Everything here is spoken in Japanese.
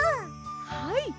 はい！